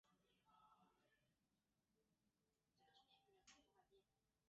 他是北卡罗来纳州体育名人堂的一员。